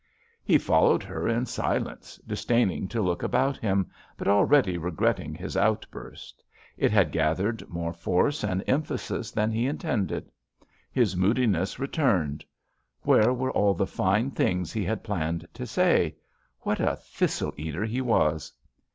He followed her in silence disdaining to look about him, but already regretting his outburst. It had gathered more force and emphasis than he intended. His moodiness returned. Where were all the fine things he had planned to say ? What a thistle eater he was!